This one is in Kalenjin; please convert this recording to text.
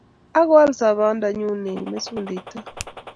Ak koal sobondanyu en mesundoito